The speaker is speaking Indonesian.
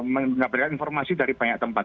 mendapatkan informasi dari banyak tempat